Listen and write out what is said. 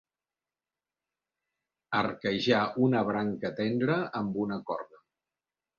Arquejar una branca tendra amb una corda.